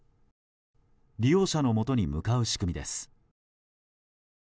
利用者のもとに向かう仕組みです。